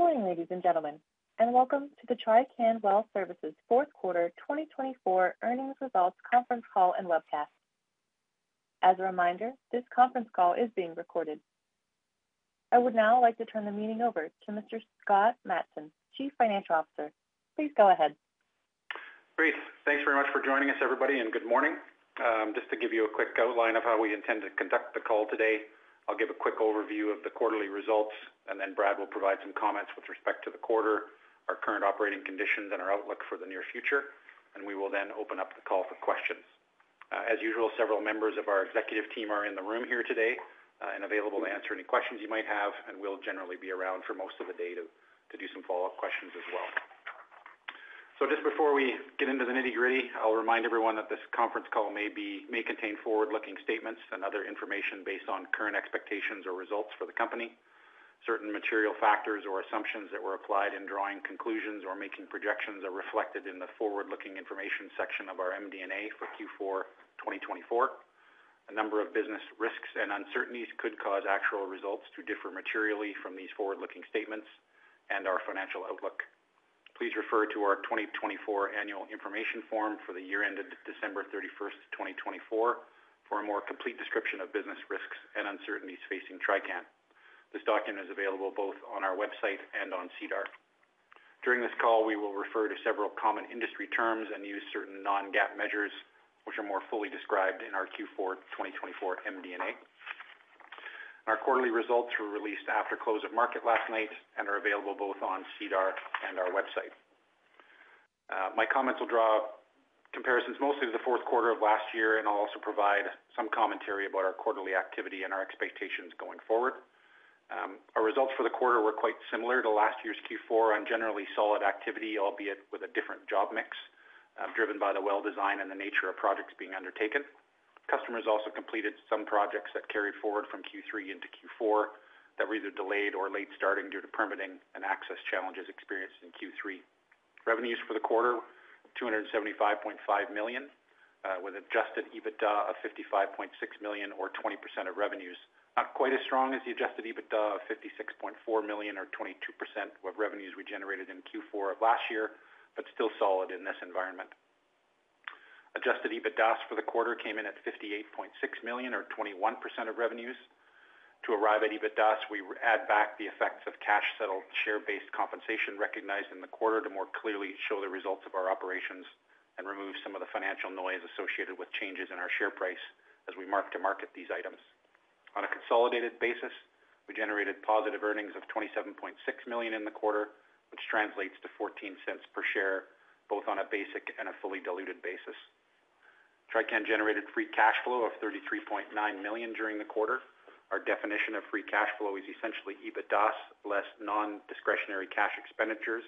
Good morning, ladies and gentlemen, and welcome to the Trican Well Services Fourth Quarter 2024 Earnings Results Conference Call and Webcast. As a reminder, this conference call is being recorded. I would now like to turn the meeting over to Mr. Scott Matson, Chief Financial Officer. Please go ahead. Great. Thanks very much for joining us, everybody, and good morning. Just to give you a quick outline of how we intend to conduct the call today, I'll give a quick overview of the quarterly results, and then Brad will provide some comments with respect to the quarter, our current operating conditions, and our outlook for the near future. We will then open up the call for questions. As usual, several members of our executive team are in the room here today and available to answer any questions you might have, and we'll generally be around for most of the day to do some follow-up questions as well. Just before we get into the nitty-gritty, I'll remind everyone that this conference call may contain forward-looking statements and other information based on current expectations or results for the company. Certain material factors or assumptions that were applied in drawing conclusions or making projections are reflected in the forward-looking information section of our MD&A for Q4 2024. A number of business risks and uncertainties could cause actual results to differ materially from these forward-looking statements and our financial outlook. Please refer to our 2024 annual information form for the year ended December 31st, 2024, for a more complete description of business risks and uncertainties facing Trican. This document is available both on our website and on SEDAR. During this call, we will refer to several common industry terms and use certain Non-GAAP measures, which are more fully described in our Q4 2024 MD&A. Our quarterly results were released after close of market last night and are available both on SEDAR and our website. My comments will draw comparisons mostly to the fourth quarter of last year, and I'll also provide some commentary about our quarterly activity and our expectations going forward. Our results for the quarter were quite similar to last year's Q4 on generally solid activity, albeit with a different job mix driven by the well design and the nature of projects being undertaken. Customers also completed some projects that carried forward from Q3 into Q4 that were either delayed or late starting due to permitting and access challenges experienced in Q3. Revenues for the quarter were 275.5 million, with an Adjusted EBITDA of 55.6 million, or 20% of revenues. Not quite as strong as the Adjusted EBITDA of 56.4 million, or 22% of revenues we generated in Q4 of last year, but still solid in this environment. Adjusted EBITDAs for the quarter came in at 58.6 million, or 21% of revenues. To arrive at EBITDAs, we add back the effects of cash-settled share-based compensation recognized in the quarter to more clearly show the results of our operations and remove some of the financial noise associated with changes in our share price as we mark to market these items. On a consolidated basis, we generated positive earnings of 27.6 million in the quarter, which translates to 0.14 per share, both on a basic and a fully diluted basis. Trican generated free cash flow of 33.9 million during the quarter. Our definition of free cash flow is essentially EBITDAs less non-discretionary cash expenditures,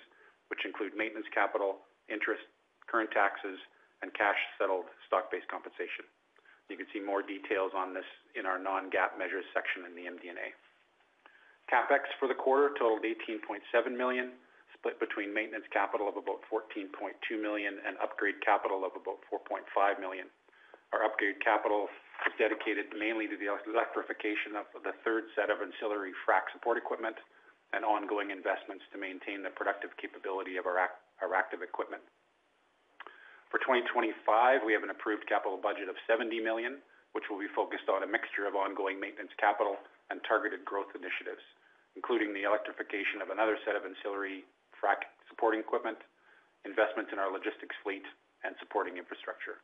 which include maintenance capital, interest, current taxes, and cash-settled stock-based compensation. You can see more details on this in our non-GAAP measures section in the MD&A. CapEx for the quarter totaled 18.7 million, split between maintenance capital of about 14.2 million and upgrade capital of about 4.5 million. Our upgrade capital was dedicated mainly to the electrification of the third set of ancillary frac support equipment and ongoing investments to maintain the productive capability of our active equipment. For 2025, we have an approved capital budget of 70 million, which will be focused on a mixture of ongoing maintenance capital and targeted growth initiatives, including the electrification of another set of ancillary frac support equipment, investments in our logistics fleet, and supporting infrastructure.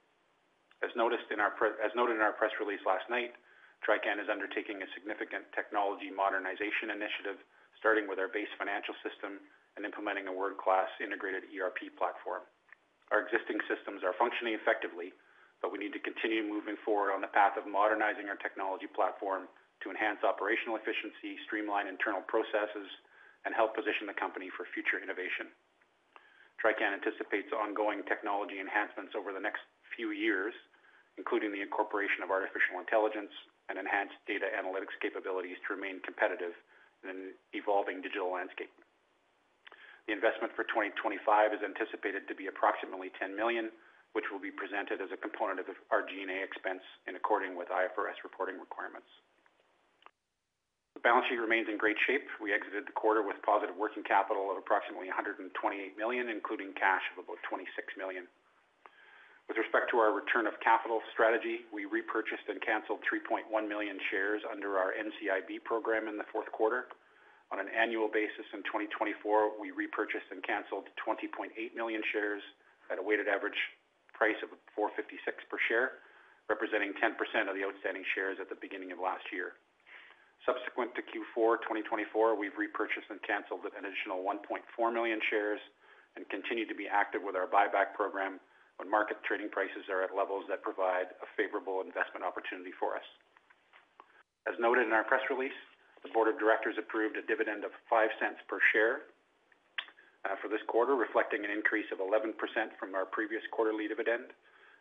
As noted in our press release last night, Trican is undertaking a significant technology modernization initiative, starting with our base financial system and implementing a world-class integrated ERP platform. Our existing systems are functioning effectively, but we need to continue moving forward on the path of modernizing our technology platform to enhance operational efficiency, streamline internal processes, and help position the company for future innovation. Trican anticipates ongoing technology enhancements over the next few years, including the incorporation of artificial intelligence and enhanced data analytics capabilities to remain competitive in an evolving digital landscape. The investment for 2025 is anticipated to be approximately 10 million, which will be presented as a component of our G&A expense in accordance with IFRS reporting requirements. The balance sheet remains in great shape. We exited the quarter with positive working capital of approximately 128 million, including cash of about 26 million. With respect to our return of capital strategy, we repurchased and canceled 3.1 million shares under our NCIB program in the fourth quarter. On an annual basis in 2024, we repurchased and canceled 20.8 million shares at a weighted average price of 4.56 per share, representing 10% of the outstanding shares at the beginning of last year. Subsequent to Q4 2024, we've repurchased and canceled an additional 1.4 million shares and continue to be active with our buyback program when market trading prices are at levels that provide a favorable investment opportunity for us. As noted in our press release, the board of directors approved a dividend of 0.05 per share for this quarter, reflecting an increase of 11% from our previous quarterly dividend.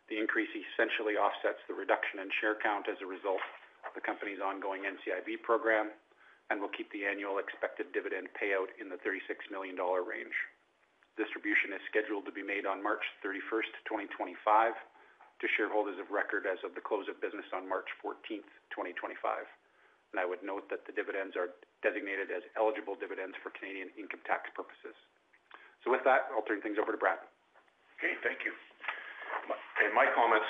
The increase essentially offsets the reduction in share count as a result of the company's ongoing NCIB program and will keep the annual expected dividend payout in the 36 million dollar range. Distribution is scheduled to be made on March 31st, 2025, to shareholders of record as of the close of business on March 14th, 2025. And I would note that the dividends are designated as eligible dividends for Canadian income tax purposes. So with that, I'll turn things over to Brad. Okay. Thank you. In my comments,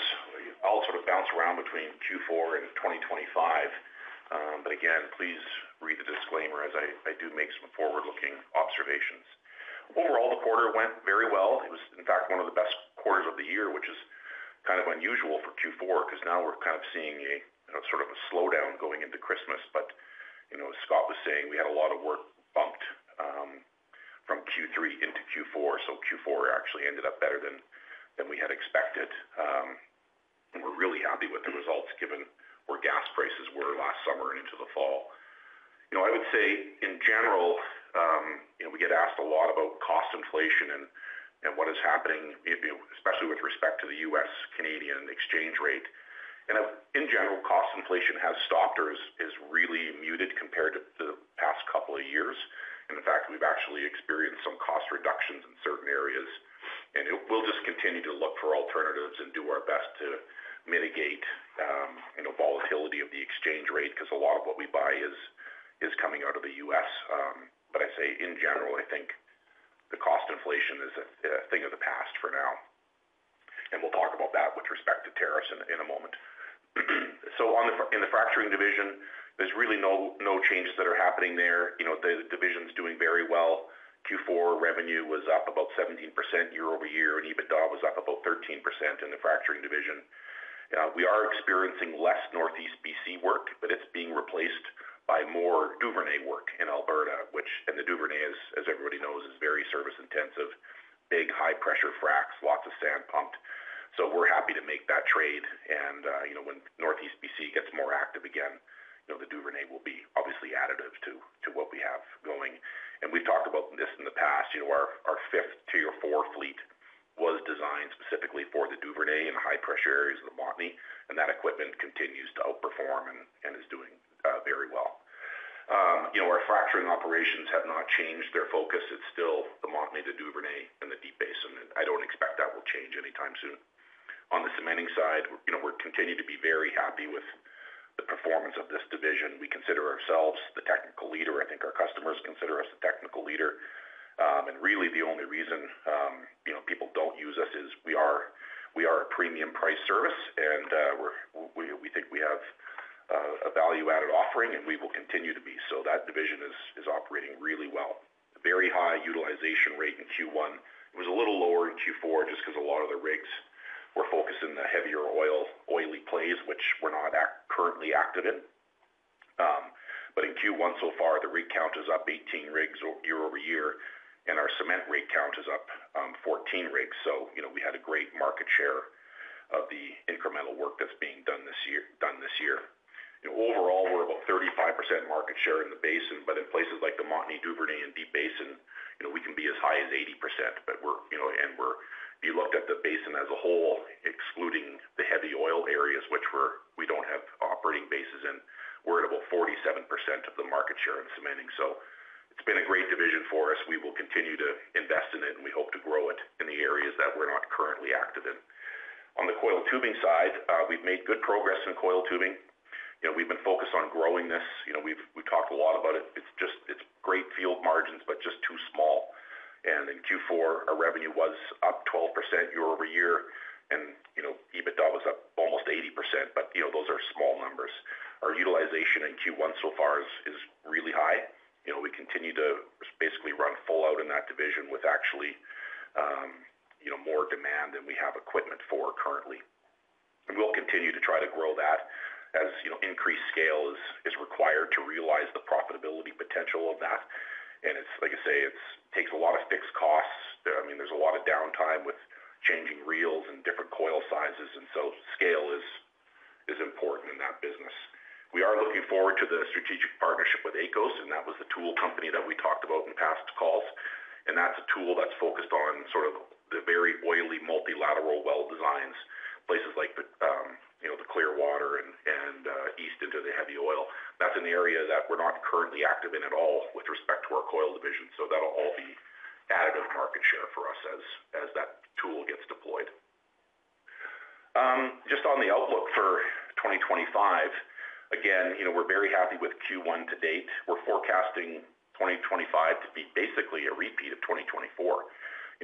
I'll sort of bounce around between Q4 and 2025. But again, please read the disclaimer as I do make some forward-looking observations. Overall, the quarter went very well. It was, in fact, one of the best quarters of the year, which is kind of unusual for Q4 because now we're kind of seeing a sort of a slowdown going into Christmas. But, you know, as Scott was saying, we had a lot of work bumped from Q3 into Q4. So Q4 actually ended up better than we had expected. And we're really happy with the results given where gas prices were last summer and into the fall. You know, I would say in general, you know, we get asked a lot about cost inflation and what is happening, especially with respect to the U.S.-Canadian exchange rate. And in general, cost inflation has stopped or is really muted compared to the past couple of years. And in fact, we've actually experienced some cost reductions in certain areas. And we'll just continue to look for alternatives and do our best to mitigate volatility of the exchange rate because a lot of what we buy is coming out of the U.S. But I say in general, I think the cost inflation is a thing of the past for now. And we'll talk about that with respect to tariffs in a moment. So in the fracturing division, there's really no changes that are happening there. You know, the division's doing very well. Q4 revenue was up about 17% year over year, and EBITDA was up about 13% in the fracturing division. We are experiencing less Northeast BC work, but it's being replaced by more Duvernay work in Alberta, which, and the Duvernay, as everybody knows, is very service-intensive, big, high-pressure fracs, lots of sand pumped. So we're happy to make that trade. And, you know, when Northeast BC gets more active again, you know, the Duvernay will be obviously additive to what we have going. And we've talked about this in the past. You know, our fifth Tier 4 fleet was designed specifically for the Duvernay and high-pressure areas of the Montney, and that equipment continues to outperform and is doing very well. You know, our fracturing operations have not changed their focus. It's still the Montney, the Duvernay, and the Deep Basin. And I don't expect that will change anytime soon. On the cementing side, you know, we're continuing to be very happy with the performance of this division. We consider ourselves the technical leader. I think our customers consider us the technical leader, and really, the only reason people don't use us is we are a premium-priced service, and we think we have a value-added offering, and we will continue to be, so that division is operating really well. Very high utilization rate in Q1. It was a little lower in Q4 just because a lot of the rigs were focused in the heavier, oilier plays, which we're not currently active in, but in Q1 so far, the rig count is up 18 rigs year over year, and our cement rig count is up 14 rigs, so, you know, we had a great market share of the incremental work that's being done this year. You know, overall, we're about 35% market share in the basin, but in places like the Montney, Duvernay, and Deep Basin, you know, we can be as high as 80%. But we're, you know, if you look at the basin as a whole, excluding the heavy oil areas, which we don't have operating bases in, we're at about 47% of the market share in cementing. So it's been a great division for us. We will continue to invest in it, and we hope to grow it in the areas that we're not currently active in. On the coiled tubing side, we've made good progress in coiled tubing. You know, we've been focused on growing this. You know, we've talked a lot about it. It's just, it's great field margins, but just too small. And in Q4, our revenue was up 12% year over year, and, you know, EBITDA was up almost 80%. But, you know, those are small numbers. Our utilization in Q1 so far is really high. You know, we continue to basically run full out in that division with actually, you know, more demand than we have equipment for currently. And we'll continue to try to grow that as, you know, increased scale is required to realize the profitability potential of that. And it's, like I say, it takes a lot of fixed costs. I mean, there's a lot of downtime with changing reels and different coil sizes. And so scale is important in that business. We are looking forward to the strategic partnership with AECO and that was the tool company that we talked about in past calls. That's a tool that's focused on sort of the very oily multilateral well designs, places like, you know, the Clearwater and east into the heavy oil. That's an area that we're not currently active in at all with respect to our coil division. So that'll all be additive market share for us as that tool gets deployed. Just on the outlook for 2025, again, you know, we're very happy with Q1 to date. We're forecasting 2025 to be basically a repeat of 2024. You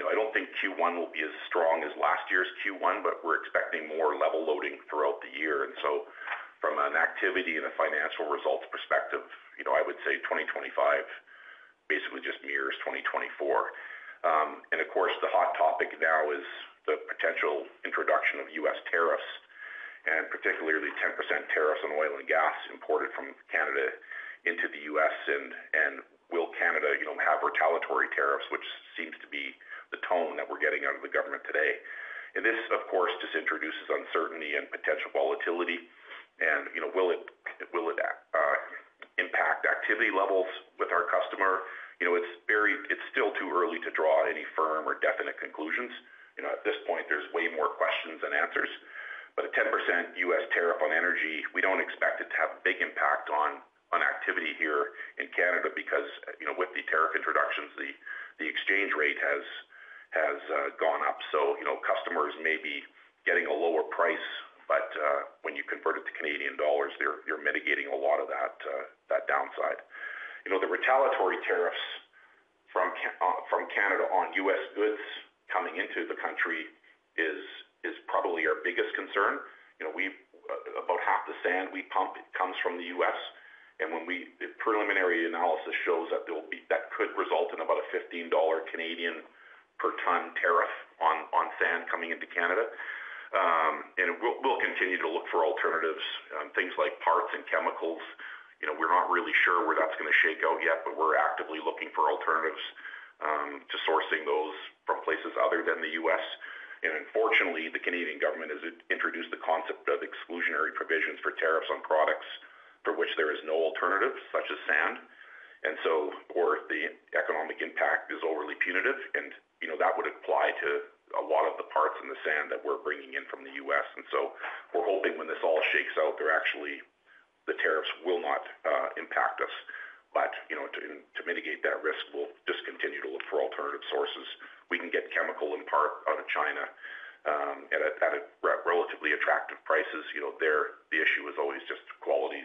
know, I don't think Q1 will be as strong as last year's Q1, but we're expecting more level loading throughout the year. So from an activity and a financial results perspective, you know, I would say 2025 basically just mirrors 2024. Of course, the hot topic now is the potential introduction of U.S. tariffs and particularly 10% tariffs on oil and gas imported from Canada into the U.S. Will Canada, you know, have retaliatory tariffs, which seems to be the tone that we're getting out of the government today? This, of course, just introduces uncertainty and potential volatility. You know, will it impact activity levels with our customer? You know, it's still too early to draw any firm or definite conclusions. You know, at this point, there's way more questions than answers. A 10% U.S. tariff on energy, we don't expect it to have a big impact on activity here in Canada because, you know, with the tariff introductions, the exchange rate has gone up. So, you know, customers may be getting a lower price, but when you convert it to Canadian dollars, you're mitigating a lot of that downside. You know, the retaliatory tariffs from Canada on U.S. goods coming into the country is probably our biggest concern. You know, we've about half the sand we pump, it comes from the U.S. And when we preliminary analysis shows that there will be, that could result in about 15 Canadian dollars per ton tariff on sand coming into Canada. And we'll continue to look for alternatives, things like parts and chemicals. You know, we're not really sure where that's going to shake out yet, but we're actively looking for alternatives to sourcing those from places other than the U.S. And unfortunately, the Canadian government has introduced the concept of exclusionary provisions for tariffs on products for which there is no alternative, such as sand. The economic impact is overly punitive. You know, that would apply to a lot of the parts and the sand that we're bringing in from the U.S. We're hoping when this all shakes out, that actually the tariffs will not impact us. You know, to mitigate that risk, we'll just continue to look for alternative sources. We can get chemicals and parts out of China at relatively attractive prices. You know, there, the issue is always just quality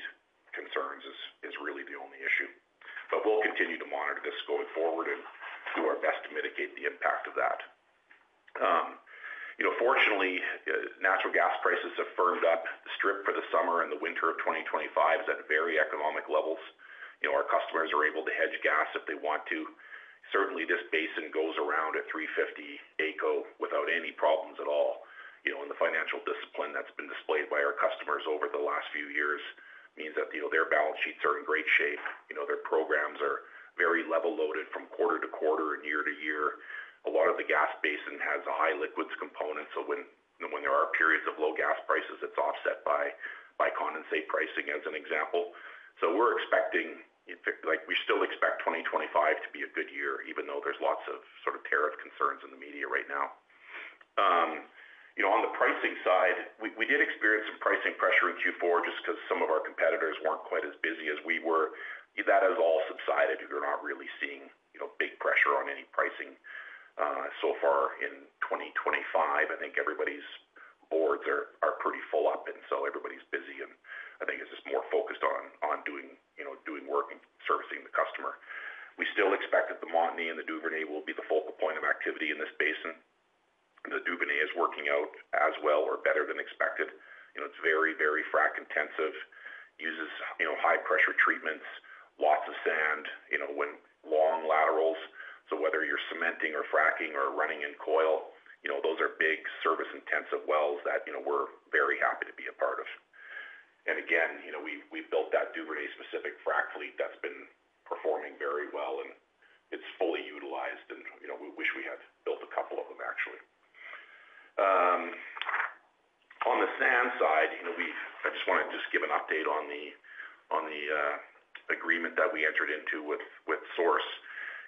concerns is really the only issue. We'll continue to monitor this going forward and do our best to mitigate the impact of that. You know, fortunately, natural gas prices have firmed up the strip for the summer and the winter of 2025 at very economic levels. You know, our customers are able to hedge gas if they want to. Certainly, this basin goes around at 350 Ecosse without any problems at all. You know, and the financial discipline that's been displayed by our customers over the last few years means that, you know, their balance sheets are in great shape. You know, their programs are very level loaded from quarter to quarter and year to year. A lot of the gas basin has high liquids components. So when there are periods of low gas prices, it's offset by condensate pricing, as an example. So we're expecting, like we still expect 2025 to be a good year, even though there's lots of sort of tariff concerns in the media right now. You know, on the pricing side, we did experience some pricing pressure in Q4 just because some of our competitors weren't quite as busy as we were. That has all subsided. We're not really seeing, you know, big pressure on any pricing so far in 2025. I think everybody's boards are pretty full up, and so everybody's busy, and I think it's just more focused on doing, you know, doing work and servicing the customer. We still expect that the Montney and the Duvernay will be the focal point of activity in this basin. The Duvernay is working out as well or better than expected. You know, it's very, very frac intensive, uses, you know, high-pressure treatments, lots of sand, you know, with long laterals, so whether you're cementing or fracking or running in coil, you know, those are big service-intensive wells that, you know, we're very happy to be a part of, and again, you know, we've built that Duvernay-specific frac fleet that's been performing very well, and it's fully utilized. You know, we wish we had built a couple of them, actually. On the sand side, you know, we've, I just want to just give an update on the agreement that we entered into with Source.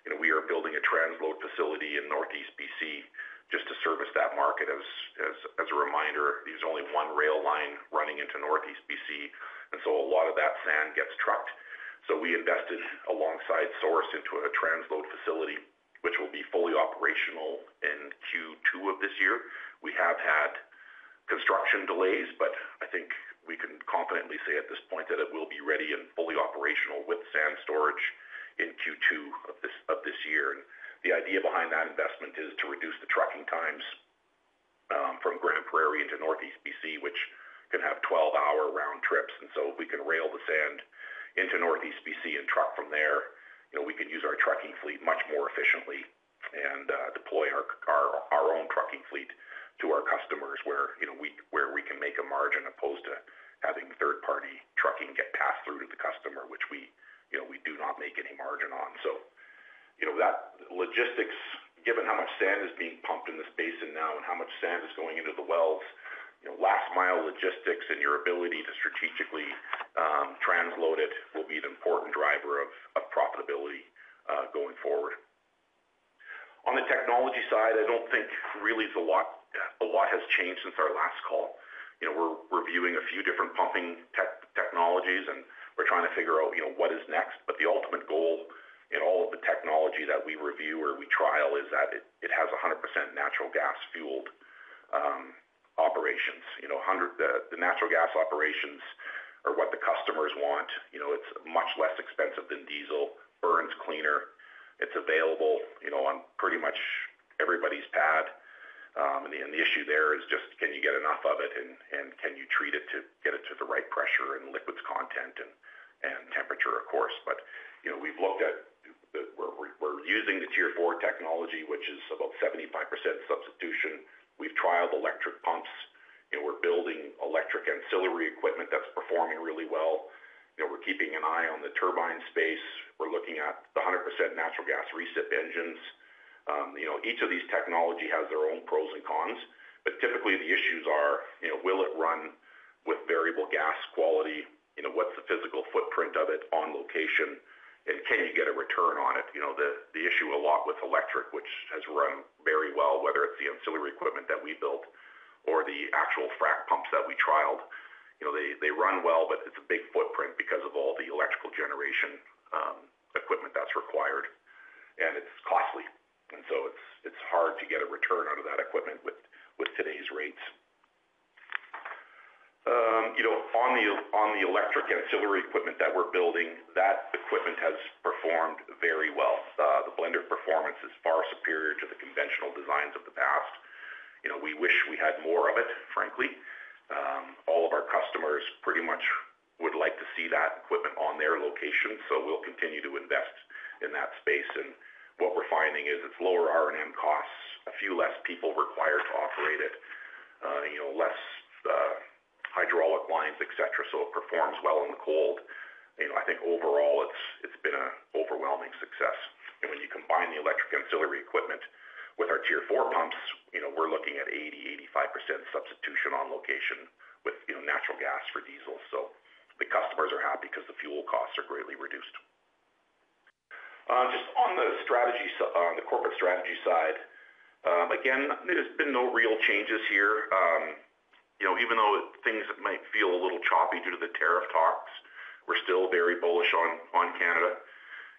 You know, we are building a transload facility in Northeast BC just to service that market. As a reminder, there's only one rail line running into Northeast BC, and so a lot of that sand gets trucked. We invested alongside Source into a transload facility, which will be fully operational in Q2 of this year. We have had construction delays, but I think we can confidently say at this point that it will be ready and fully operational with sand storage in Q2 of this year. The idea behind that investment is to reduce the trucking times from Grande Prairie into Northeast BC, which can have 12-hour round trips. And so if we can rail the sand into Northeast BC and truck from there, you know, we can use our trucking fleet much more efficiently and deploy our own trucking fleet to our customers where, you know, we can make a margin opposed to having third-party trucking get passed through to the customer, which we, you know, we do not make any margin on. So, you know, that logistics, given how much sand is being pumped in this basin now and how much sand is going into the wells, you know, last-mile logistics and your ability to strategically transload it will be an important driver of profitability going forward. On the technology side, I don't think really a lot has changed since our last call. You know, we're reviewing a few different pumping technologies, and we're trying to figure out, you know, what is next. But the ultimate goal in all of the technology that we review or we trial is that it has 100% natural gas-fueled operations. You know, the natural gas operations are what the customers want. You know, it's much less expensive than diesel, burns cleaner. It's available, you know, on pretty much everybody's pad. And the issue there is just, can you get enough of it, and can you treat it to get it to the right pressure and liquids content and temperature, of course. But, you know, we've looked at, we're using the Tier 4 technology, which is about 75% substitution. We've trialed electric pumps. You know, we're building electric ancillary equipment that's performing really well. You know, we're keeping an eye on the turbine space. We're looking at the 100% natural gas recip engines. You know, each of these technologies has their own pros and cons. But typically, the issues are, you know, will it run with variable gas quality? You know, what's the physical footprint of it on location? And can you get a return on it? You know, the issue a lot with electric, which has run very well, whether it's the ancillary equipment that we built or the actual frac pumps that we trialed. You know, they run well, but it's a big footprint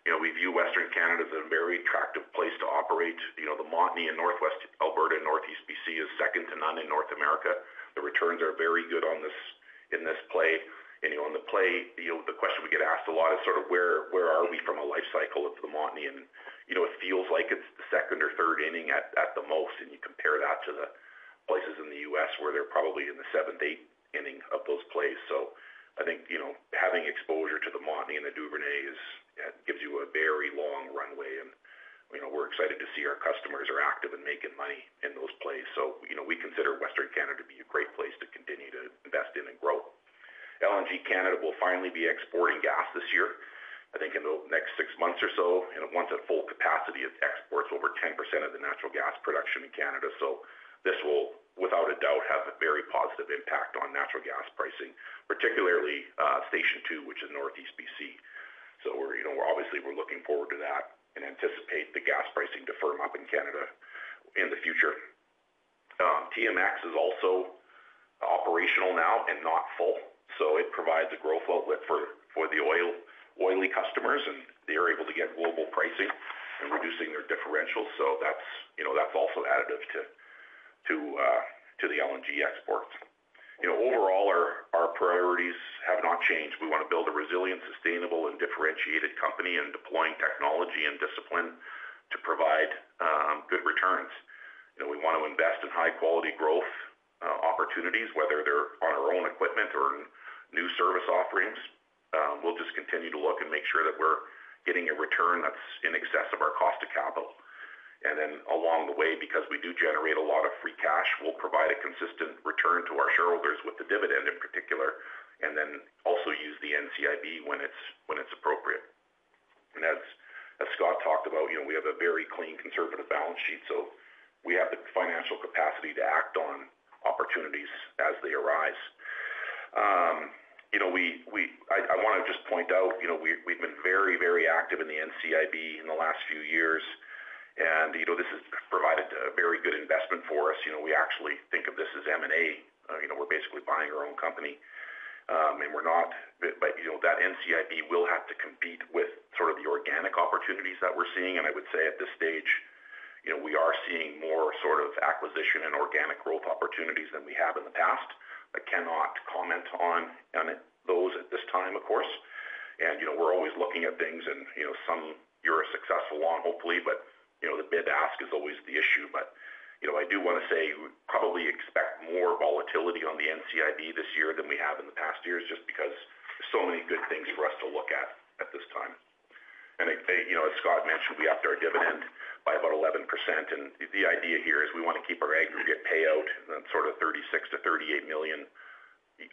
You know, we view Western Canada as a very attractive place to operate. You know, the Montney in Northwest Alberta and Northeast BC is second to none in North America. The returns are very good in this play. And, you know, on the play, you know, the question we get asked a lot is sort of where are we from a life cycle of the Montney? And, you know, it feels like it's the second or third inning at the most. And you compare that to the places in the U.S. where they're probably in the seventh, eighth inning of those plays. So I think, you know, having exposure to the Montney and the Duvernay gives you a very long runway. And, you know, we're excited to see our customers are active and making money in those plays. So, you know, we consider Western Canada to be a great place to continue to invest in and grow. LNG Canada will finally be exporting gas this year, I think in the next six months or so. You know, once at full capacity, it exports over 10% of the natural gas production in Canada. So this will, without a doubt, have a very positive impact on natural gas pricing, particularly Station 2, which is Northeast BC. So, you know, obviously, we're looking forward to that and anticipate the gas pricing to firm up in Canada in the future. TMX is also operational now and not full. So it provides a growth outlet for the oily customers, and they are able to get global pricing and reducing their differentials. So that's, you know, that's also additive to the LNG exports. You know, overall, our priorities have not changed. We want to build a resilient, sustainable, and differentiated company and deploying technology and discipline to provide good returns. You know, we want to invest in high-quality growth opportunities, whether they're on our own equipment or new service offerings. We'll just continue to look and make sure that we're getting a return that's in excess of our cost of capital. And then along the way, because we do generate a lot of free cash, we'll provide a consistent return to our shareholders with the dividend in particular, and then also use the NCIB when it's appropriate. And as Scott talked about, you know, we have a very clean conservative balance sheet. So we have the financial capacity to act on opportunities as they arise. You know, I want to just point out, you know, we've been very, very active in the NCIB in the last few years. You know, this has provided a very good investment for us. You know, we actually think of this as M&A. You know, we're basically buying our own company. We're not, but, you know, that NCIB will have to compete with sort of the organic opportunities that we're seeing. I would say at this stage, you know, we are seeing more sort of acquisition and organic growth opportunities than we have in the past. I cannot comment on those at this time, of course. You know, we're always looking at things and, you know, some you're successful on, hopefully, but, you know, the bid-ask is always the issue. But, you know, I do want to say we probably expect more volatility on the NCIB this year than we have in the past years just because there's so many good things for us to look at at this time. And, you know, as Scott mentioned, we upped our dividend by about 11%. And the idea here is we want to keep our aggregate payout in sort of 36 million-38 million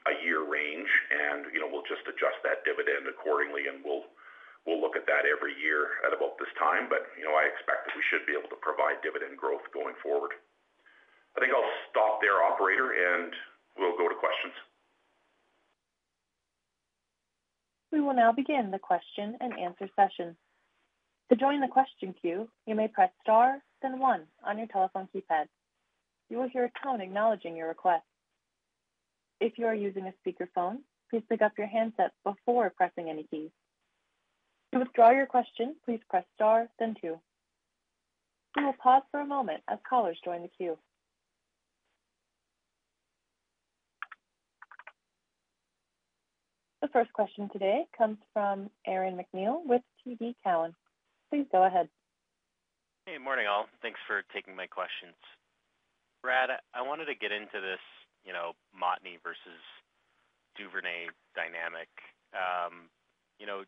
a year range. And, you know, we'll just adjust that dividend accordingly. And we'll look at that every year at about this time. But, you know, I expect that we should be able to provide dividend growth going forward. I think I'll stop there, Operator, and we'll go to questions. We will now begin the question and answer session. To join the question queue, you may press star, then one on your telephone keypad. You will hear a tone acknowledging your request. If you are using a speakerphone, please pick up your handset before pressing any keys. To withdraw your question, please press star, then two. We will pause for a moment as callers join the queue. The first question today comes from Aaron MacNeil with TD Cowen. Please go ahead. Hey, morning all. Thanks for taking my questions. Brad, I wanted to get into this, you know, Montney versus Duvernay dynamic. You know,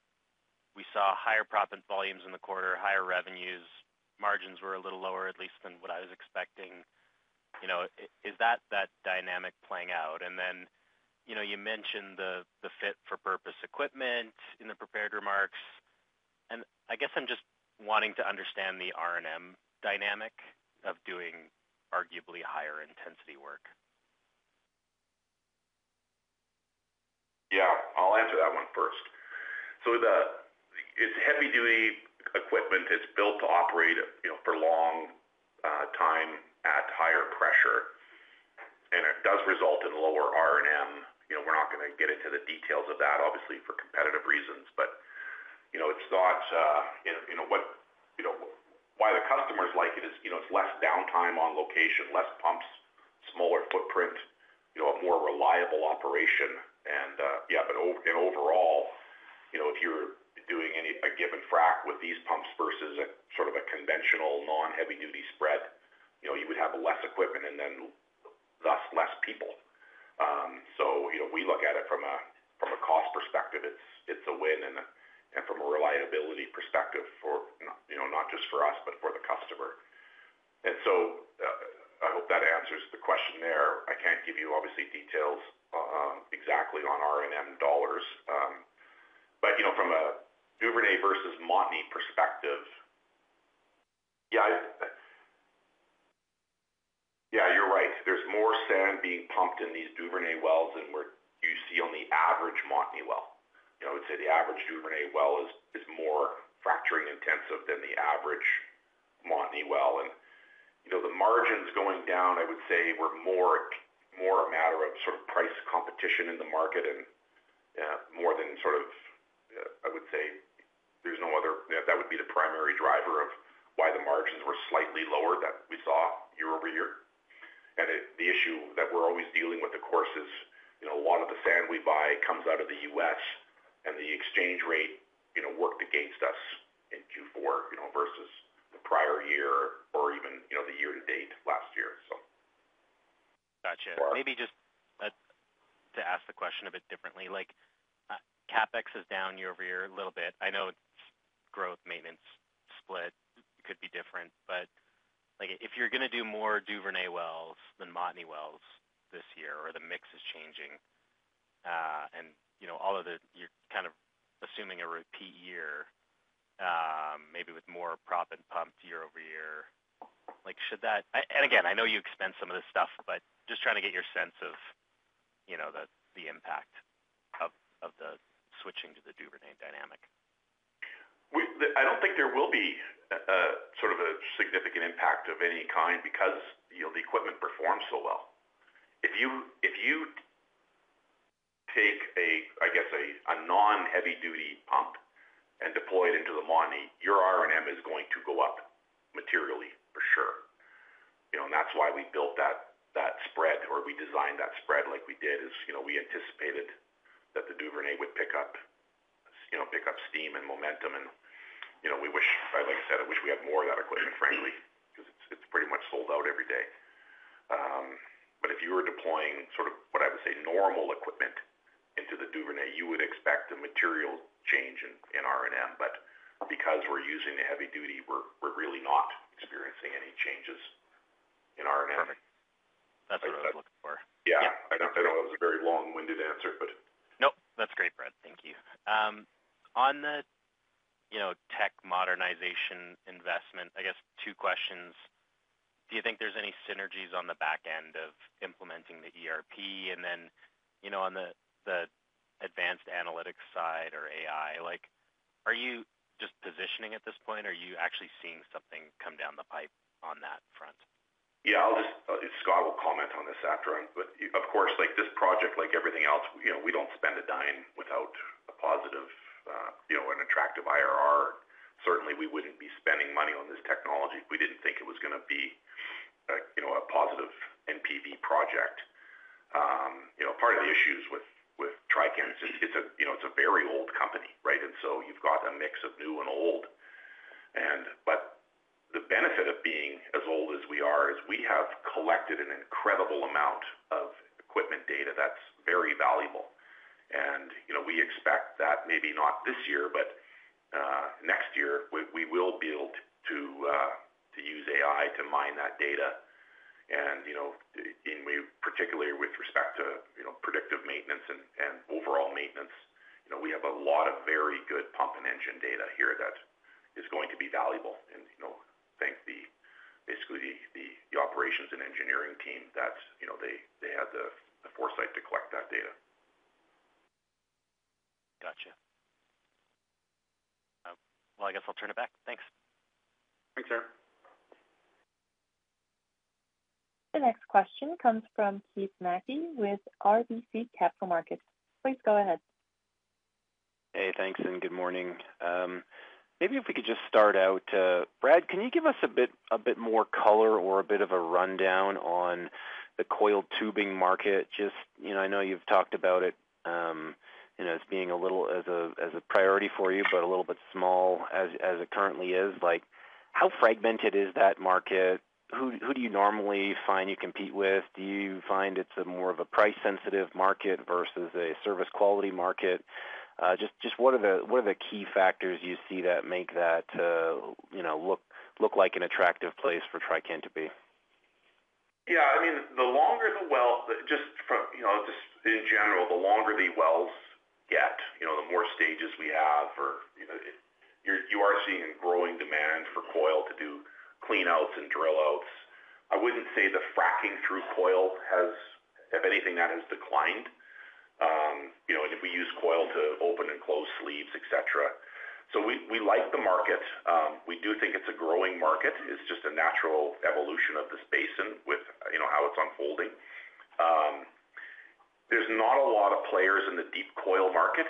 we saw higher proppant volumes in the quarter, higher revenues. Margins were a little lower, at least than what I was expecting. You know, is that that dynamic playing out? And then, you know, you mentioned the fit for purpose equipment in the prepared remarks. And I guess I'm just wanting to understand the R&M dynamic of doing arguably higher intensity work. Yeah, I'll answer that one first. It's heavy-duty equipment. It's built to operate, you know, for a long time at higher pressure. It does result in lower R&M. You know, we're not going to get into the details of that, obviously, for competitive reasons. You know, it's thought, you know, what you know, why the customers like it is, you know, it's less downtime on location, less pumps, smaller footprint, you know, a more reliable operation. Yeah, but overall, you know, if you're doing a given frac with these pumps versus sort of a conventional non-heavy-duty spread, you know, you would have less equipment and then thus less people. You know, we look at it from a cost perspective. It's a win. From a reliability perspective for, you know, not just for us, but for the customer. So I hope that answers the question there. I can't give you, obviously, details exactly on R&M dollars. But, you know, from a Duvernay versus Montney perspective, yeah, yeah, you're right. There's more sand being pumped in these Duvernay wells than you see on the average Montney well. You know, I would say the average Duvernay well is more fracturing intensive than the average Montney well. And, you know, the margins going down, I would say, were more a matter of sort of price competition in the market and more than sort of, I would say, there's no other, that would be the primary driver of why the margins were slightly lower that we saw year over year. The issue that we're always dealing with, of course, is, you know, a lot of the sand we buy comes out of the U.S. and the exchange rate, you know, worked against us in Q4, you know, versus the prior year or even, you know, the year to date last year, so. Gotcha. Maybe just to ask the question a bit differently, like CapEx is down year over year a little bit. I know it's growth maintenance split could be different, but like if you're going to do more Duvernay wells than Montney wells this year or the mix is changing and, you know, all of the, you're kind of assuming a repeat year, maybe with more proppant pumped year over year, like should that, and again, I know you expense some of this stuff, but just trying to get your sense of, you know, the impact of the switching to the Duvernay dynamic. I don't think there will be sort of a significant impact of any kind because, you know, the equipment performs so well. If you take a, I guess, a non-heavy-duty pump and deploy it into the Montney, your R&M is going to go up materially for sure. You know, and that's why we built that spread or we designed that spread like we did is, you know, we anticipated that the Duvernay would pick up, you know, pick up steam and momentum. And, you know, we wish, like I said, I wish we had more of that equipment, frankly, because it's pretty much sold out every day. But if you were deploying sort of what I would say normal equipment into the Duvernay, you would expect a material change in R&M. But because we're using the heavy-duty, we're really not experiencing any changes in R&M. That's what I was looking for. Yeah. I know it was a very long-winded answer, but. Nope. That's great, Brad. Thank you. On the, you know, tech modernization investment, I guess two questions. Do you think there's any synergies on the back end of implementing the ERP? And then, you know, on the advanced analytics side or AI, like are you just positioning at this point? Are you actually seeing something come down the pipe on that front? Yeah, I'll just, Scott will comment on this after. But, of course, like this project, like everything else, you know, we don't spend a dime without a positive, you know, an attractive IRR. Certainly, we wouldn't be spending money on this technology if we didn't think it was going to be, you know, a positive NPV project. You know, part of the issues with Trican's is, you know, it's a very old company, right? And so you've got a mix of new and old. And but the benefit of being as old as we are is we have collected an incredible amount of equipment data that's very valuable. You know, we expect that maybe not this year, but next year, we will be able to use AI to mine that data. You know, particularly with respect to, you know, predictive maintenance and overall maintenance, you know, we have a lot of very good pump and engine data here that is going to be valuable. You know, thank the, basically the operations and engineering team that, you know, they had the foresight to collect that data. Gotcha. I guess I'll turn it back. Thanks. Thanks, Aaron. The next question comes from Keith Mackey with RBC Capital Markets. Please go ahead. Hey, thanks and good morning. Maybe if we could just start out, Brad, can you give us a bit more color or a bit of a rundown on the coiled tubing market? Just, you know, I know you've talked about it, you know, as being a little as a priority for you, but a little bit small as it currently is. Like how fragmented is that market? Who do you normally find you compete with? Do you find it's more of a price-sensitive market versus a service quality market? Just what are the key factors you see that make that, you know, look like an attractive place for Trican to be? Yeah, I mean, the longer the well, just from, you know, just in general, the longer the wells get, you know, the more stages we have for, you know, you are seeing a growing demand for coil to do clean outs and drill outs. I wouldn't say the fracking through coil has, if anything, that has declined, you know, and if we use coil to open and close sleeves, etc. So we like the market. We do think it's a growing market. It's just a natural evolution of this basin with, you know, how it's unfolding. There's not a lot of players in the deep coil market.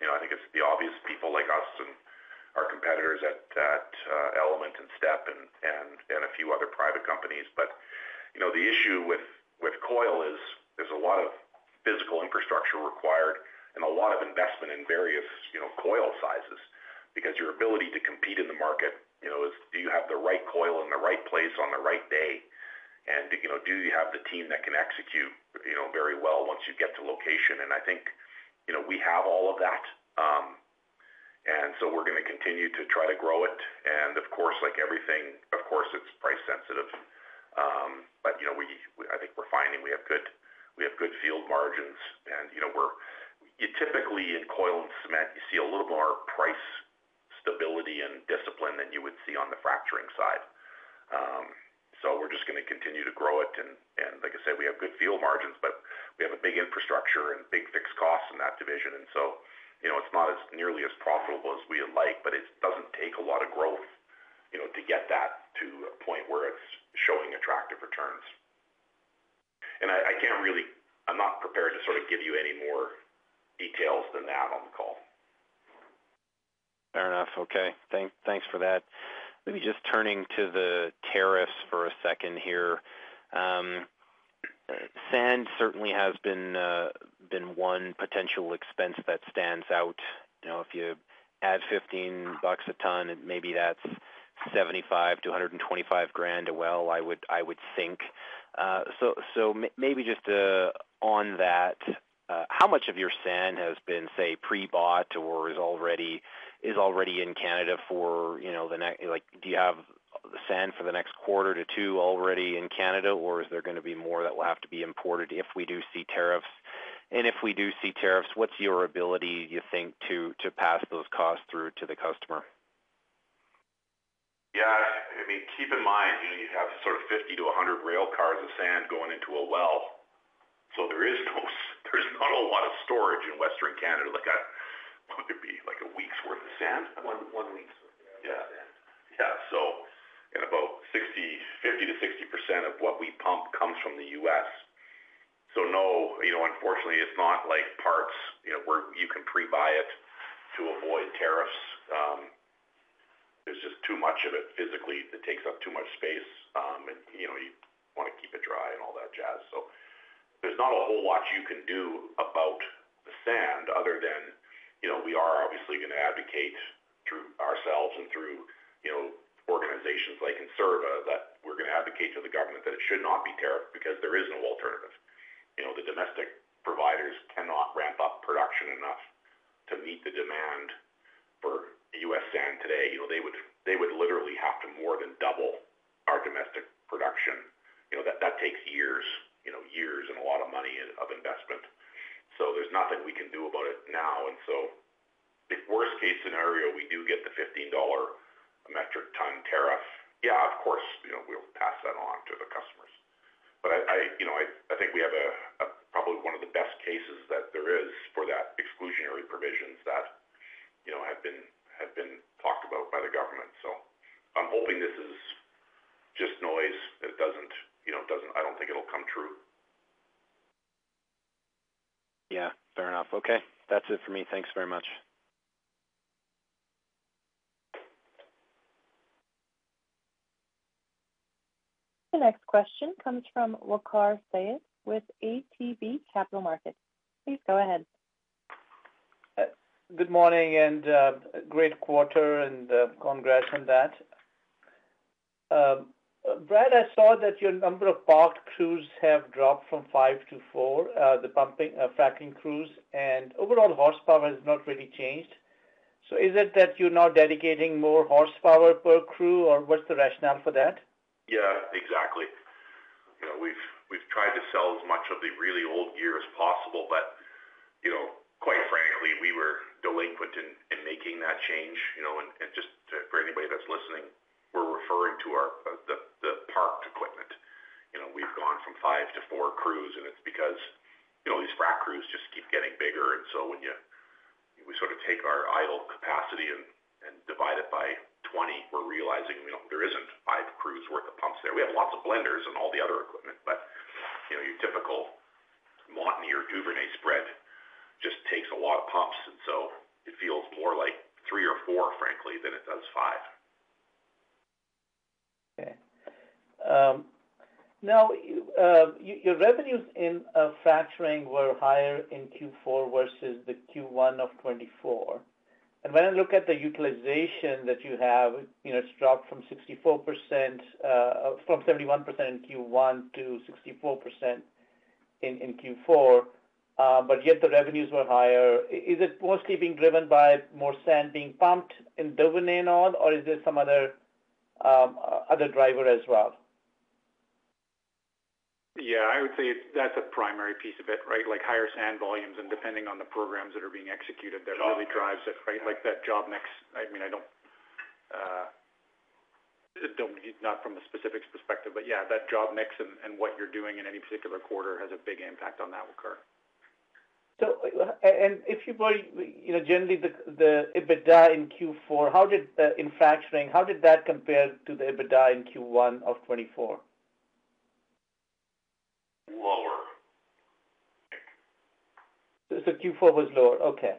You know, I think it's the obvious people like us and our competitors at Element and STEP and a few other private companies. But, you know, the issue with coil is there's a lot of physical infrastructure required and a lot of investment in various, you know, coil sizes because your ability to compete in the market, you know, is do you have the right coil in the right place on the right day? And, you know, do you have the team that can execute, you know, very well once you get to location? And I think, you know, we have all of that. And so we're going to continue to try to grow it. And of course, like everything, of course, it's price sensitive. But, you know, I think we're finding we have good field margins. And, you know, we're typically in coil and cement, you see a little more price stability and discipline than you would see on the fracturing side. So we're just going to continue to grow it. And like I said, we have good field margins, but we have a big infrastructure and big fixed costs in that division. And so, you know, it's not as nearly as profitable as we would like, but it doesn't take a lot of growth, you know, to get that to a point where it's showing attractive returns. And I can't really, I'm not prepared to sort of give you any more details than that on the call. Fair enough. Okay. Thanks for that. Maybe just turning to the tariffs for a second here. Sand certainly has been one potential expense that stands out. You know, if you add 15 bucks a ton, maybe that's 75,000-125,000 a well, I would think. So maybe just on that, how much of your sand has been, say, pre-bought or is already in Canada for, you know, the next, like do you have sand for the next quarter to two already in Canada, or is there going to be more that will have to be imported if we do see tariffs? And if we do see tariffs, what's your ability, you think, to pass those costs through to the customer? Yeah, I mean, keep in mind, you know, you have sort of 50-100 rail cars of sand going into a well. So there is not a lot of storage in Western Canada. Like, I want it to be like a week's worth of sand. One week's worth of sand. Yeah. So about 50%-60% of what we pump comes from the U.S. So no, you know, unfortunately, it's not like parts, you know, where you can pre-buy it to avoid tariffs. There's just too much of it physically. It takes up too much space. And, you know, you want to keep it dry and all that jazz. So there's not a whole lot you can do about the sand other than, you know, we are obviously going to advocate through ourselves and through, you know, organizations like Enserva that we're going to advocate to the government that it should not be tariffed because there is no alternative. You know, the domestic providers cannot ramp up production enough to meet the demand for U.S. sand today. You know, they would literally have to more than double our domestic production. You know, that takes years, you know, years and a lot of money of investment. So there's nothing we can do about it now. And so the worst case scenario, we do get the $15 metric ton tariff. Yeah, of course, you know, we'll pass that along to the customers. But I, you know, I think we have probably one of the best cases that there is for that exclusionary provisions that, you know, have been talked about by the government. So I'm hoping this is just noise. It doesn't, you know, I don't think it'll come true. Yeah, fair enough. Okay. That's it for me. Thanks very much. The next question comes from Waqar Syed with ATB Capital Markets. Please go ahead. Good morning and great quarter and congrats on that. Brad, I saw that your number of parked crews have dropped from five to four, the pumping fracking crews. And overall horsepower has not really changed. So is it that you're not dedicating more horsepower per crew or what's the rationale for that? Yeah, exactly. You know, we've tried to sell as much of the really old gear as possible, but, you know, quite frankly, we were delinquent in making that change. You know, and just for anybody that's listening, we're referring to our parked equipment. You know, we've gone from five to four crews and it's because, you know, these frack crews just keep getting bigger. And so when you, we sort of take our idle capacity and divide it by 20, we're realizing, you know, there isn't five crews worth of pumps there. We have lots of blenders and all the other equipment, but, you know, your typical Montney or Duvernay spread just takes a lot of pumps. And so it feels more like three or four, frankly, than it does five. Okay. Now, your revenues in fracturing were higher in Q4 versus the Q1 of 2024. And when I look at the utilization that you have, you know, it's dropped from 71% in Q1 to 64% in Q4, but yet the revenues were higher. Is it mostly being driven by more sand being pumped in Duvernay and all, or is there some other driver as well? Yeah, I would say that's a primary piece of it, right? Like higher sand volumes and depending on the programs that are being executed, that really drives it, right? Like that job mix, I mean, I don't, not from a specific perspective, but yeah, that job mix and what you're doing in any particular quarter has a big impact on that, Waqar. So if you've already, you know, generally the EBITDA in Q4, how did the fracturing, how did that compare to the EBITDA in Q1 of 2024? Lower. So Q4 was lower. Okay.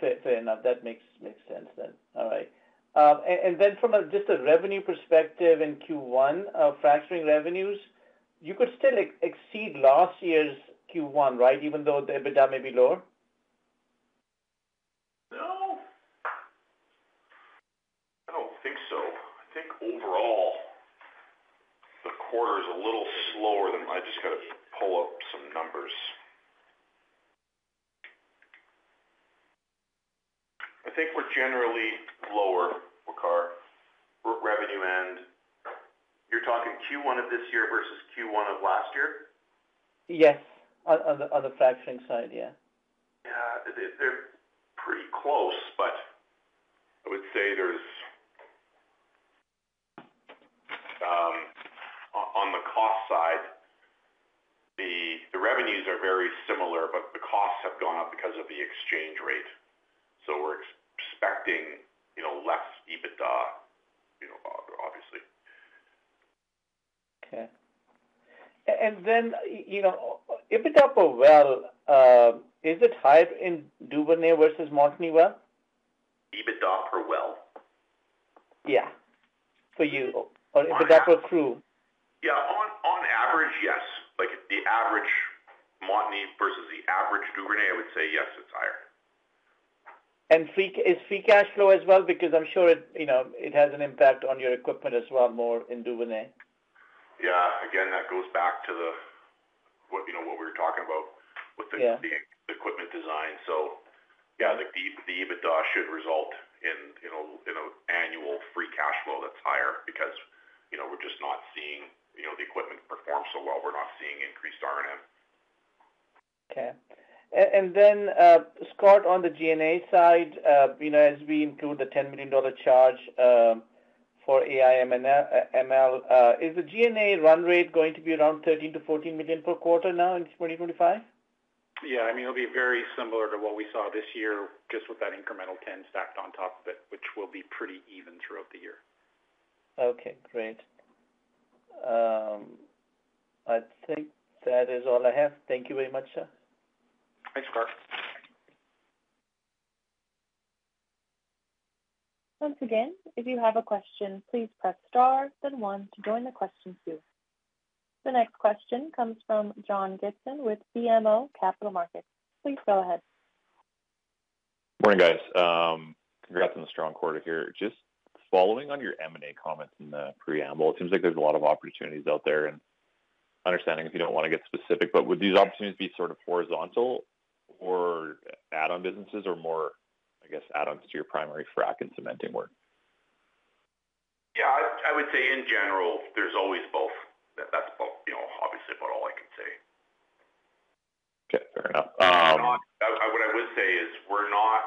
Fair enough. That makes sense then. All right. And then from just a revenue perspective in Q1, fracturing revenues, you could still exceed last year's Q1, right? Even though the EBITDA may be lower? No. I don't think so. I think overall the quarter is a little slower than I just got to pull up some numbers. I think we're generally lower, Waqar. Revenue end. You're talking Q1 of this year versus Q1 of last year? Yes. On the fracturing side, yeah. Yeah. They're pretty close, but I would say there's, on the cost side, the revenues are very similar, but the costs have gone up because of the exchange rate. So we're expecting, you know, less EBITDA, you know, obviously. Okay. And then, you know, EBITDA per well, is it higher in Duvernay versus Montney well? EBITDA per well? Yeah. For you. Or EBITDA per crew? Yeah. On average, yes. Like the average Montney versus the average Duvernay, I would say yes, it's higher. And is free cash flow as well? Because I'm sure it, you know, it has an impact on your equipment as well, more in Duvernay. Yeah. Again, that goes back to the, you know, what we were talking about with the equipment design. So yeah, like the EBITDA should result in, you know, annual free cash flow that's higher because, you know, we're just not seeing, you know, the equipment perform so well. We're not seeing increased R&M. Okay. And then, Scott, on the G&A side, you know, as we include the 10 million dollar charge for AI/ML, is the G&A run rate going to be around 13 million-14 million per quarter now in 2025? Yeah. I mean, it'll be very similar to what we saw this year, just with that incremental 10 stacked on top of it, which will be pretty even throughout the year. Okay. Great. I think that is all I have. Thank you very much, sir. Thanks, Scott. Once again, if you have a question, please press star, then one to join the question queue. The next question comes from John Gibson with BMO Capital Markets. Please go ahead. Morning, guys. Congrats on the strong quarter here. Just following on your M&A comments in the preamble, it seems like there's a lot of opportunities out there and understanding if you don't want to get specific, but would these opportunities be sort of horizontal or add-on businesses or more, I guess, add-ons to your primary frack and cementing work? Yeah. I would say in general, there's always both. That's both, you know, obviously about all I can say. Okay. Fair enough. What I would say is we're not,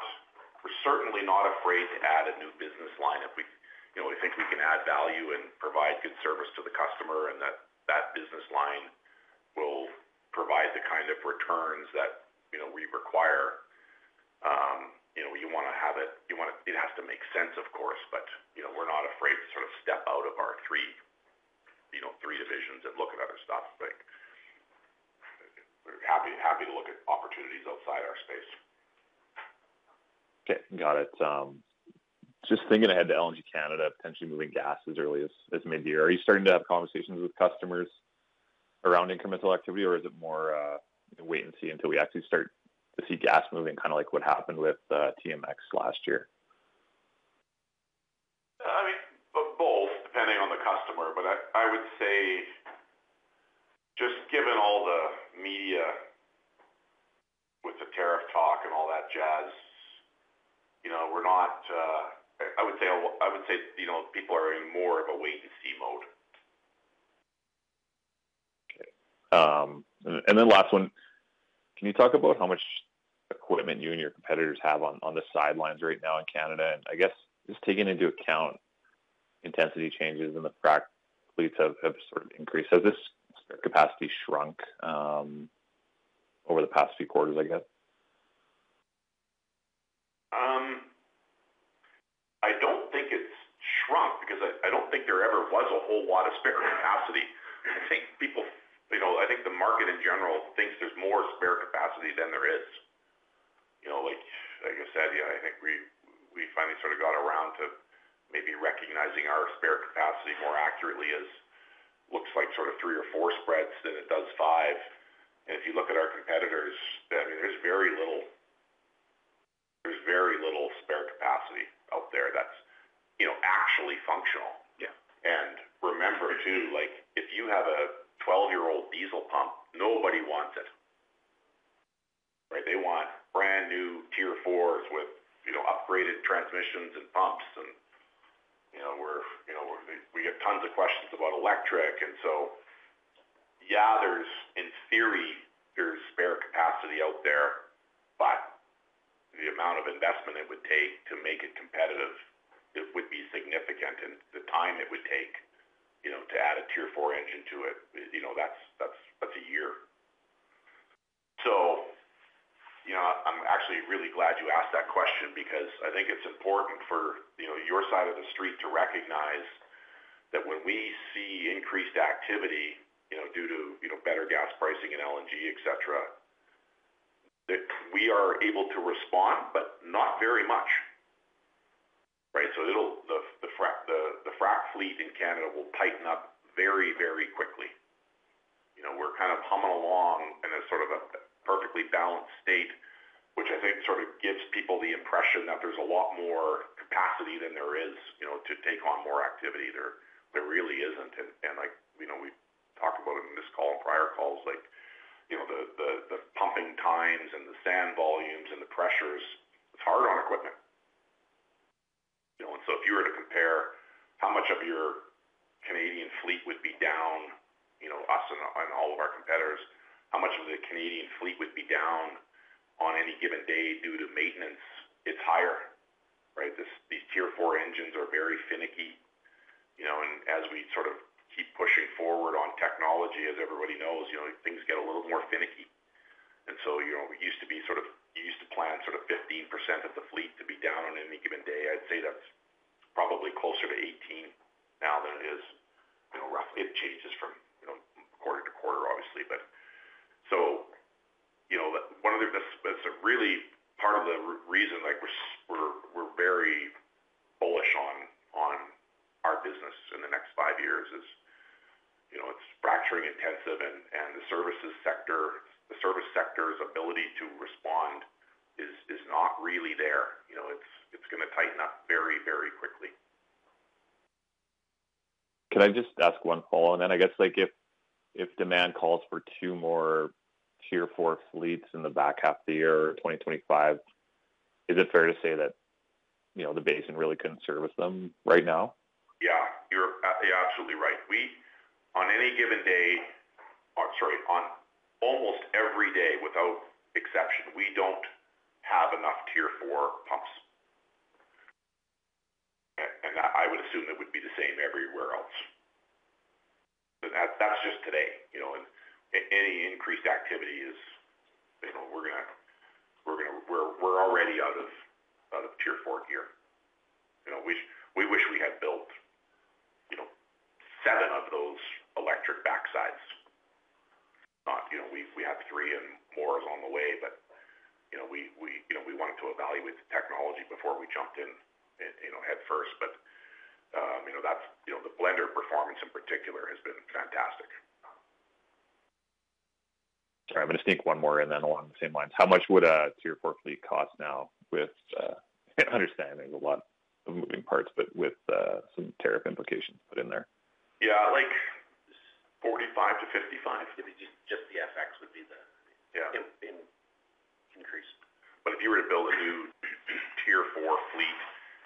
we're certainly not afraid to add a new business line if we, you know, we think we can add value and provide good service to the customer and that that business line will provide the kind of returns that, you know, we require. You know, you want to have it, you want to, it has to make sense, of course, but, you know, we're not afraid to sort of step out of our three, you know, three divisions and look at other stuff. We're happy to look at opportunities outside our space. Okay. Got it. Just thinking ahead to LNG Canada, potentially moving gas as early as mid-year. Are you starting to have conversations with customers around incremental activity or is it more wait and see until we actually start to see gas moving, kind of like what happened with TMX last year? I mean, both, depending on the customer, but I would say just given all the media with the tariff talk and all that jazz, you know, we're not, I would say, I would say, you know, people are in more of a wait and see mode. Okay. And then last one, can you talk about how much equipment you and your competitors have on the sidelines right now in Canada? And I guess just taking into account intensity changes and the frac fleets have sort of increased, has this capacity shrunk over the past few quarters, I guess? I don't think it's shrunk because I don't think there ever was a whole lot of spare capacity. I think people, you know, I think the market in general thinks there's more spare capacity than there is. You know, like I said, yeah, I think we finally sort of got around to maybe recognizing our spare capacity more accurately as looks like sort of three or four spreads than it does five. And if you look at our competitors, I mean, there's very little, there's very little spare capacity out there that's, you know, actually functional. Yeah. And remember too, like if you have a 12-year-old diesel pump, nobody wants it. Right? They want brand new Tier 4s with, you know, upgraded transmissions and pumps and, you know, we're, you know, we get tons of questions about electric. And so, yeah, there's in theory spare capacity out there, but the amount of investment it would take to make it competitive, it would be significant. And the time it would take, you know, to add a Tier 4 engine to it, you know, that's a year. So, you know, I'm actually really glad you asked that question because I think it's important for, you know, your side of the street to recognize that when we see increased activity, you know, due to, you know, better gas pricing in LNG, etc., that we are able to respond, but not very much. Right? So it'll, the frac fleet in Canada will tighten up very, very quickly. You know, we're kind of humming along in a sort of a perfectly balanced state, which I think sort of gives people the impression that there's a lot more capacity than there is, you know, to take on more activity. There really isn't, and like, you know, we talked about it in this call and prior calls, like, you know, the pumping times and the sand volumes and the pressures, it's hard on equipment. You know, and so if you were to compare how much of your Canadian fleet would be down, you know, us and all of our competitors, how much of the Canadian fleet would be down on any given day due to maintenance, it's higher. Right? These Tier 4 engines are very finicky. You know, and as we sort of keep pushing forward on technology, as everybody knows, you know, things get a little more finicky. And so, you know, we used to be sort of, you used to plan sort of 15% of the fleet to be down on any given day. I'd say that's probably closer to 18% now than it is, you know, roughly. It changes from, you know, quarter to quarter, obviously. But so, you know, one of the, that's a really part of the reason, like we're very bullish on our business in the next five years is, you know, it's fracturing intensive and the services sector, the service sector's ability to respond is not really there. You know, it's going to tighten up very, very quickly. Can I just ask one follow-on then? I guess like if demand calls for two more Tier 4 fleets in the back half of the year 2025, is it fair to say that, you know, the basin really couldn't service them right now? Yeah. You're absolutely right. We, on any given day, or sorry, on almost every day without exception, we don't have enough Tier 4 pumps, and I would assume it would be the same everywhere else. That's just today, you know, and any increased activity is, you know, we're going to, we're already out of Tier 4 gear. You know, we wish we had built, you know, seven of those electric backsides. Not, you know, we had three and more on the way, but, you know, we wanted to evaluate the technology before we jumped in, you know, headfirst, but, you know, that's, you know, the blender performance in particular has been fantastic. Sorry, I'm going to sneak one more in then along the same lines. How much would a Tier 4 fleet cost now with, I understand there's a lot of moving parts, but with some tariff implications put in there? Yeah. Like 45% to 55%. Just the FX would be the increase. But if you were to build a new Tier 4 fleet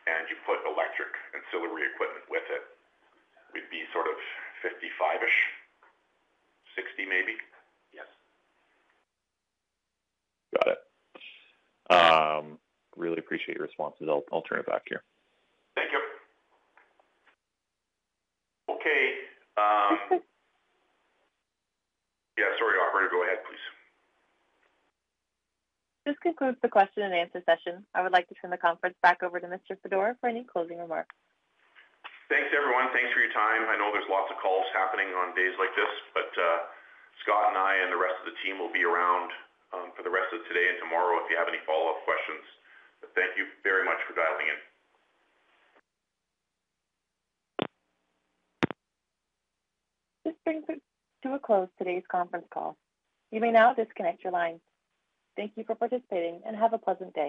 and you put electric ancillary equipment with it, it would be sort of 55-ish, 60 maybe? Yes. Got it. Really appreciate your responses. I'll turn it back here. Thank you. Okay. Yeah. Sorry, Waqar. Go ahead, please. This concludes the question and answer session. I would like to turn the conference back over to Mr. Fedora for any closing remarks. Thanks, everyone. Thanks for your time. I know there's lots of calls happening on days like this, but Scott and I and the rest of the team will be around for the rest of today and tomorrow if you have any follow-up questions. But thank you very much for dialing in. This brings us to a close of today's conference call. You may now disconnect your line. Thank you for participating and have a pleasant day.